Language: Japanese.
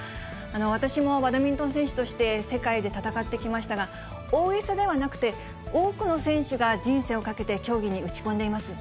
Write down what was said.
私もバドミントン選手として世界で戦ってきましたが、大げさではなくて、多くの選手が人生をかけて競技に打ち込んでいます。